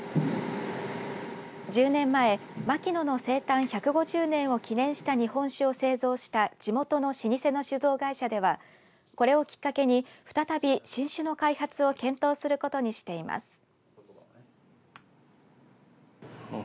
１０年前牧野の生誕１５０年を記念した日本酒を製造した地元の老舗の酒造会社ではこれをきっかけに、再び新酒の開発を検討することにしています。